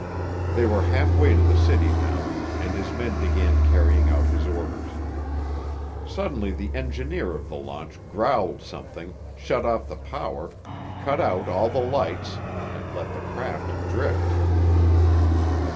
They were halfway to the city now, and his men began carrying out his orders. Suddenly the engineer of the launch growled something, shut off the power, cut out all the lights, and let the craft drift.